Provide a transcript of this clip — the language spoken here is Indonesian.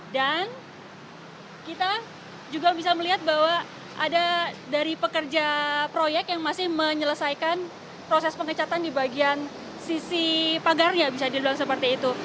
kita juga bisa melihat bahwa ada dari pekerja proyek yang masih menyelesaikan proses pengecatan di bagian sisi pagarnya bisa dibilang seperti itu